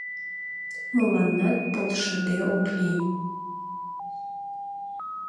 Мыланнат полшыде ок лий.